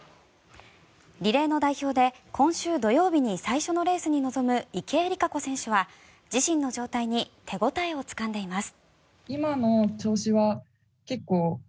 リレーの代表で今週土曜日に最初のレースに臨む池江璃花子選手は、自身の状態に手応えをつかんでいます。